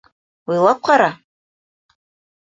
Уйлап ҡара.